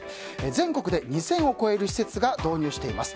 全国で２０００を超える施設が導入しています。